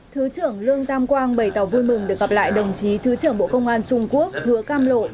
thứ trưởng lương tam quang bày tỏ vui mừng được gặp lại đồng chí thứ trưởng bộ công an trung quốc hứa cam lộ